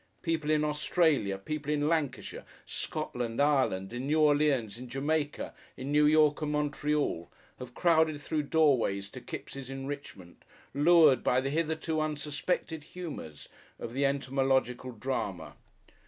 People in Australia, people in Lancashire, Scotland, Ireland, in New Orleans, in Jamaica, in New York and Montreal, have crowded through doorways to Kipps' enrichment, lured by the hitherto unsuspected humours of the entomological drama.